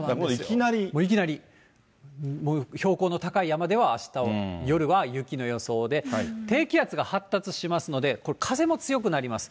もういきなり、標高の高い山では、あした夜は雪の予想で、低気圧が発達しますので、これ、風も強くなります。